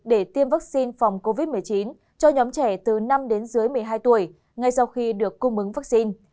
để tiêm vaccine phòng covid một mươi chín cho nhóm trẻ từ năm một mươi hai tuổi ngay sau khi được cung mứng vaccine